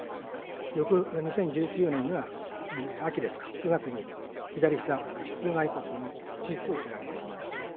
翌２０１９年には、秋ですか、９月に左ひざ膝蓋骨の手術を受けられました。